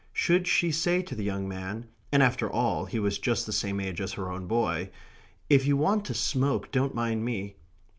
Should she say to the young man (and after all he was just the same age as her own boy): "If you want to smoke, don't mind me"?